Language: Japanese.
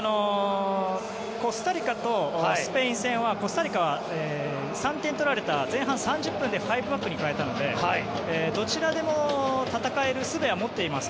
コスタリカとスペイン戦はコスタリカは３点取られて前半３０分で５バックに変えたのでどちらでも戦えるすべは彼らは持っています。